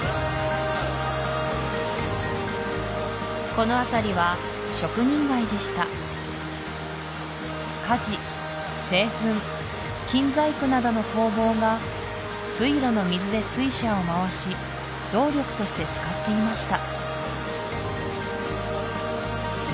この辺りは職人街でした鍛冶製粉金細工などの工房が水路の水で水車を回し動力として使っていました